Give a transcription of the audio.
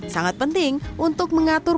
sangat penting untuk mengatur